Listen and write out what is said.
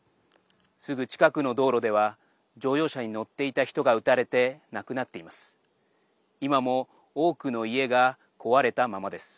すぐ近くの道路では乗用車に乗っていた人が撃たれて亡くなっています。